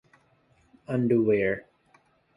Saksi dusta tidak akan terlepas dari hukuman